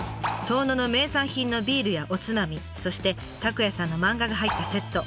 遠野の名産品のビールやおつまみそして拓也さんの漫画が入ったセット。